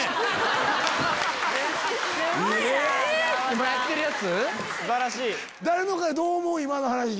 今やってるやつ⁉